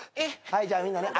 はいじゃあみんなね